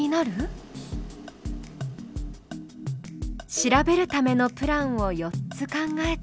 調べるためのプランを４つ考えた。